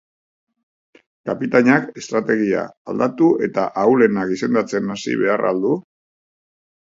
Kapitainak estrategia aldatu eta ahulenak izendatzen hasi behar al du?